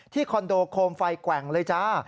คอนโดโคมไฟแกว่งเลยจ้า